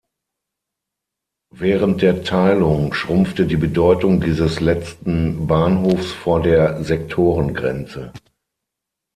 Während der Teilung schrumpfte die Bedeutung dieses letzten Bahnhofs vor der Sektorengrenze.